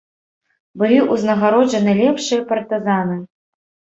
Былі ўзнагароджаны лепшыя партызаны.